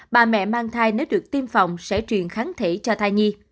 bà mẹ mang thai nếu được tiêm phòng sẽ truyền kháng thể cho thai nhi